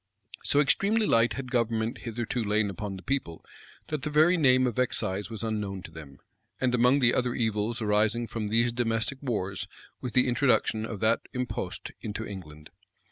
So extremely light had government hitherto lain upon the people that the very name of excise was unknown to them; and among the other evils arising from these domestic wars was the introduction of that impost into England.